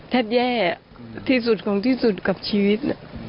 แย่ที่สุดของที่สุดกับชีวิต